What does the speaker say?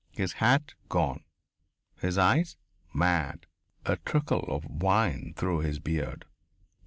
His hat gone. His eyes mad. A trickle of wine through his beard.